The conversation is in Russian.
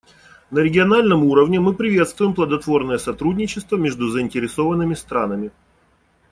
На региональном уровне мы приветствуем плодотворное сотрудничество между заинтересованными странами.